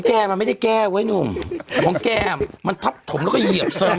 แก้มันไม่ได้แก้ไว้หนุ่มของแก้มมันทับถมแล้วก็เหยียบเสริม